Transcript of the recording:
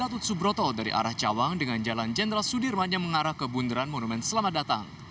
jalan layang ini akan menghubungi jalan gatut subroto dari arah cawang dengan jalan jenderal sudirman yang mengarah ke bundaran monumen selamat datang